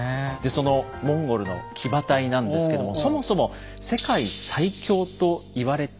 そのモンゴルの騎馬隊なんですけどもそもそも世界最強と言われてきたわけですよね。